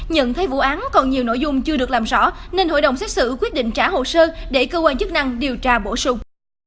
nhận thấy vụ án còn nhiều nội dung chưa được làm rõ nên hội đồng xét xử quyết định trả hồ sơ để cơ quan chức năng điều tra bổ sung